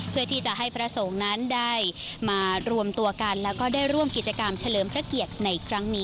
เพื่อที่จะให้พระสงฆ์นั้นได้มารวมตัวกันแล้วก็ได้ร่วมกิจกรรมเฉลิมพระเกียรติในครั้งนี้